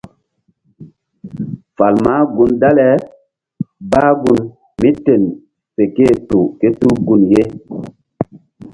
Fal mah gun dale bah gun míten fe ké-e tu ké tul gun ye.